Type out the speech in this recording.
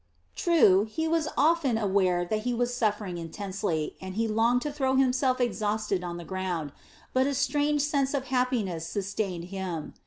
True, he was often aware that he was suffering intensely, and he longed to throw himself exhausted on the ground, but a strange sense of happiness sustained him.